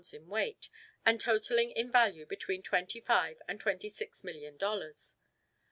in weight and totalling in value between twenty five and twenty six million dollars.